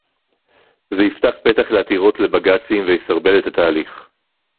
"זה יפתח פתח לעתירות לבג"צים ויסרבל את התהליך"